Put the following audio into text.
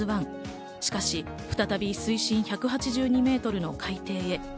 しかし、再び水深１８２メートルの海底へ。